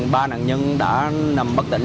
ba nạn nhân đã nằm bất tỉnh